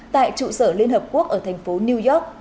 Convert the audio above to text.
tại trụ sở liên hợp quốc ở thành phố new york